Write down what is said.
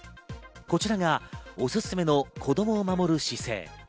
こちらがおすすめの子供を守る姿勢。